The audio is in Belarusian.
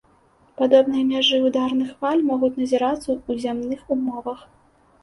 Падобныя мяжы ўдарных хваль могуць назірацца ў зямных умовах.